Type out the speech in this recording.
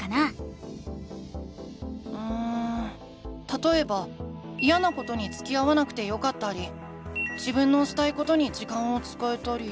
たとえばイヤなことにつきあわなくてよかったり自分のしたいことに時間を使えたり。